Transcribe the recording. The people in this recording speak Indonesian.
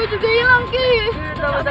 ada apa ini ada apa